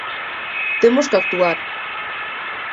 Temos que actuar.